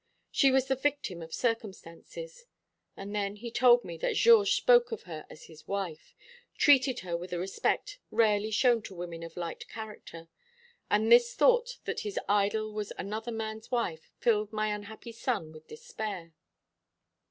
She was the victim of circumstances. And then he told me that Georges spoke of her as his wife, treated her with a respect rarely shown to women of light character; and this thought that his idol was another man's wife filled my unhappy son with despair."